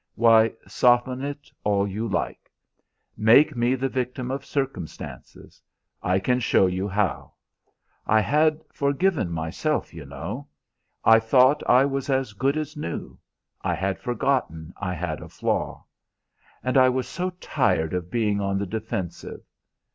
why, soften it all you like. Make me the victim of circumstances. I can show you how. I had forgiven myself, you know. I thought I was as good as new. I had forgotten I had a flaw. And I was so tired of being on the defensive.